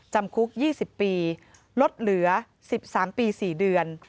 จำคุก๒๐ปีลดเหลือ๑๓ปี๔เดือน